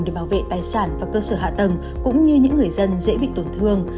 để bảo vệ tài sản và cơ sở hạ tầng cũng như những người dân dễ bị tổn thương